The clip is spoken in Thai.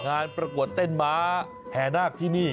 ประกวดเต้นม้าแห่นาคที่นี่